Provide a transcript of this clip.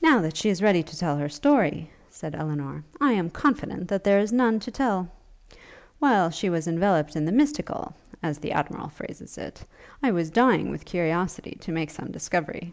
'Now that she is so ready to tell her story,' said Elinor, 'I am confident that there is none to tell. While she was enveloped in the mystical, as the Admiral phrases it, I was dying with curiosity to make some discovery.'